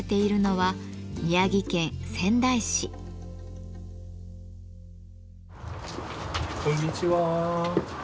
はいこんにちは。